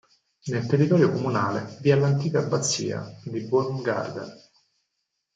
Nel territorio comunale vi è l'antica abbazia di Baumgarten.